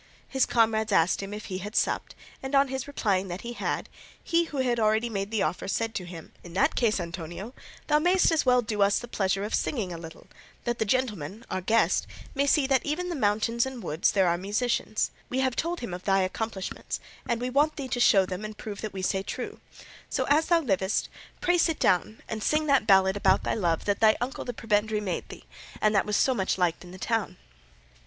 His comrades asked him if he had supped, and on his replying that he had, he who had already made the offer said to him: "In that case, Antonio, thou mayest as well do us the pleasure of singing a little, that the gentleman, our guest, may see that even in the mountains and woods there are musicians: we have told him of thy accomplishments, and we want thee to show them and prove that we say true; so, as thou livest, pray sit down and sing that ballad about thy love that thy uncle the prebendary made thee, and that was so much liked in the town."